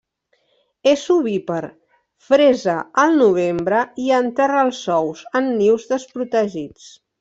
És ovípar, fresa al novembre i enterra els ous en nius desprotegits.